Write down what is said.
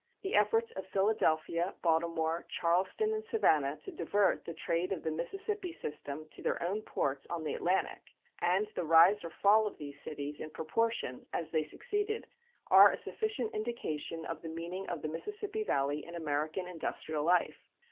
The efforts of Philadelphia, Baltimore, Charleston, and Savannah to divert the trade of the Mississippi system to their own ports on the Atlantic, and the rise or fall of these cities in proportion as they succeeded are a sufficient indication of the meaning of the Mississippi Valley in American industrial life.